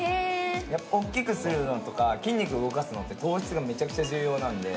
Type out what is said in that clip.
やっぱ大っきくするのとか筋肉動かすのって糖質がめちゃくちゃ重要なんで。